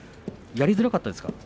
やりづらかったですか？